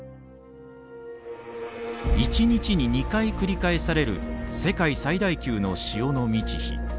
１日に２回繰り返される世界最大級の潮の満ち干。